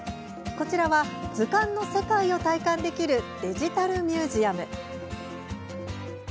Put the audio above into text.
こちらは図鑑の世界を体感できるデジタルミュージアム。